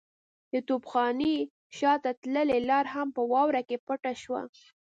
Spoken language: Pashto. د توپخانې شاته تللې لار هم په واورو کې پټه شوه.